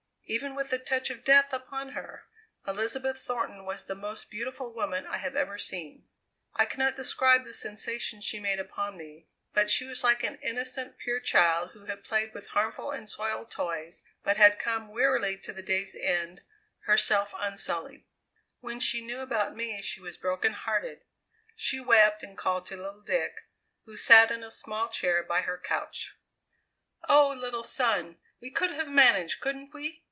Even with the touch of death upon her, Elizabeth Thornton was the most beautiful woman I have ever seen. I cannot describe the sensation she made upon me; but she was like an innocent, pure child who had played with harmful and soiled toys but had come wearily to the day's end, herself unsullied. "When she knew about me she was broken hearted. She wept and called to little Dick, who sat in a small chair by her couch: "'Oh! little son, we could have managed, couldn't we?